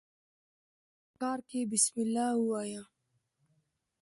په هر کار کښي بسم الله وايه!